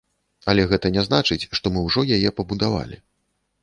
Але гэта не значыць, што мы ўжо яе пабудавалі.